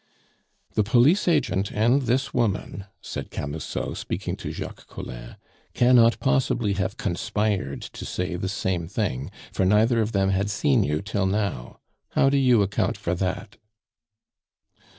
"The police agent and this woman," said Camusot, speaking to Jacques Collin, "cannot possibly have conspired to say the same thing, for neither of them had seen you till now. How do you account for that?"